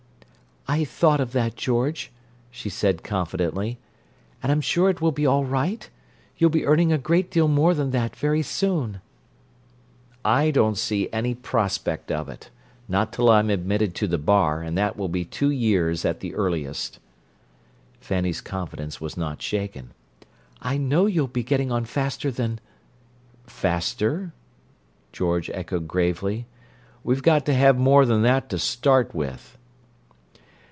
"I thought of that, George," she said confidently, "and I'm sure it will be all right. You'll be earning a great deal more than that very soon." "I don't see any prospect of it—not till I'm admitted to the bar, and that will be two years at the earliest." Fanny's confidence was not shaken. "I know you'll be getting on faster than—" "Faster?" George echoed gravely. "We've got to have more than that to start with."